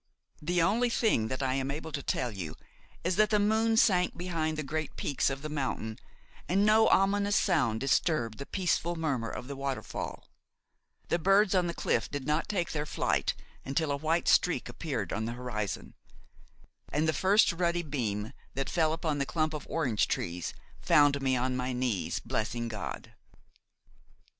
The only thing that I am able to tell you is that the moon sank behind the great peaks of the mountain and no ominous sound disturbed the peaceful murmur of the waterfall; the birds on the cliff did not take their flight until a white streak appeared on the horizon; and the first ruddy beam that fell upon the clump of orange trees found me on my knees blessing God.